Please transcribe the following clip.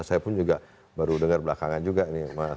saya pun juga baru dengar belakangan juga nih mas